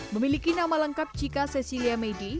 memiliki nama lengkap jika cecilia medi